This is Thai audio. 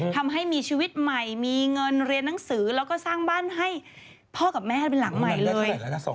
ทำให้มีชีวิตใหม่มีเงินเรียนหนังสือแล้วก็สร้างบ้านให้พ่อกับแม่เป็นหลังใหม่เลย